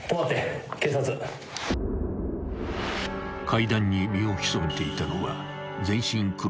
［階段に身を潜めていたのは］